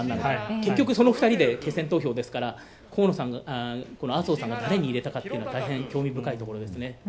結局、その２人で決選投票ですから麻生さんが誰に入れたかっていうのは大変興味深いところですね。